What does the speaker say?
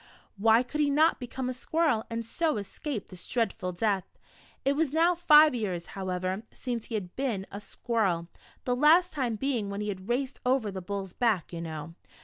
Why could he not become a squirrel, and so escape this dreadful death ? It was now five years, however, since he had been a squirrel, the last time being when he had raced over the bull's back, you know.